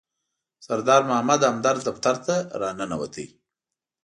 سردار محمد همدرد دفتر ته راننوت.